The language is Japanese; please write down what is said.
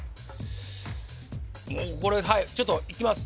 もうこれはいちょっといきます